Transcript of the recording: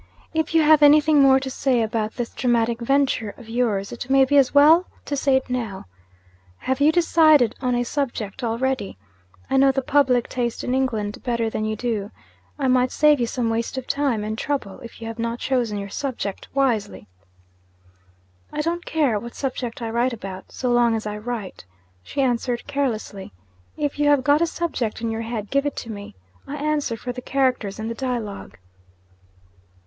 'If you have anything more to say about this dramatic venture of yours, it may be as well to say it now. Have you decided on a subject already? I know the public taste in England better than you do I might save you some waste of time and trouble, if you have not chosen your subject wisely.' 'I don't care what subject I write about, so long as I write,' she answered carelessly. 'If you have got a subject in your head, give it to me. I answer for the characters and the dialogue.'